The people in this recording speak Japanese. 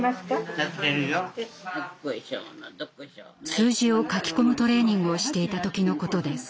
数字を書き込むトレーニングをしていた時のことです。